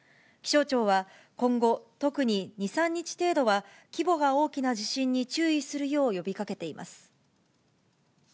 気象庁は、今後、特に２、３日程度は、規模が大きな地震に注意するよう呼びかけています。